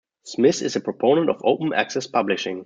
Smith is a proponent of open access publishing.